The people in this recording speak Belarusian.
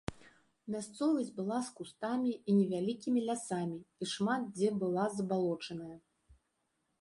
Мясцовасць была з кустамі і невялікімі лясамі і шмат дзе была забалочаная.